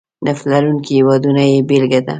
نفت لرونکي هېوادونه یې بېلګه ده.